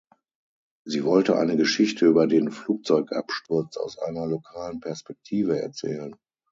Sie wollte eine Geschichte über den Flugzeugabsturz aus einer lokalen Perspektive erzählen.